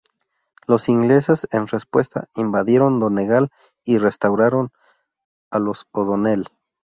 Los ingleses, en respuesta, invadieron Donegal y restauraron a los O'Donnell.